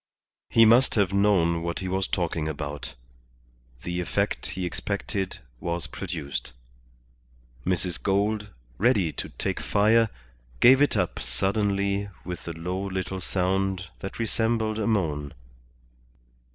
He must have known what he was talking about. The effect he expected was produced. Mrs. Gould, ready to take fire, gave it up suddenly with a low little sound that resembled a moan.